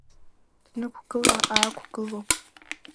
Днықәгыла-аақәгыло.